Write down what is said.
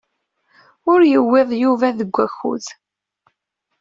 Ur yewwiḍ Yuba deg wakud.